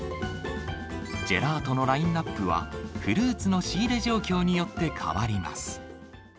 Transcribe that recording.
ジェラートのラインナップは、フルーツの仕入れ状況によって変わります。